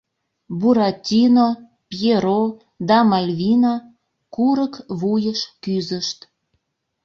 Буратино, Пьеро да Мальвина курык вуйыш кӱзышт.